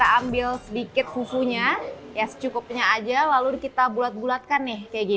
nah setelah udah bulat kita ambil sedikit fufunya ya secukupnya aja lalu kita bulat bulatkan nih kayak gini